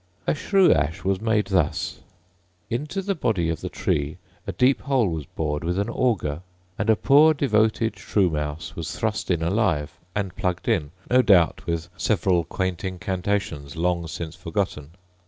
A shrew ash was made thus: *— Into the body of the tree a deep hole was bored with an auger, and a poor devoted shrew mouse was thrust in alive, and plugged in, no doubt, with several quaint incantations long since forgotten.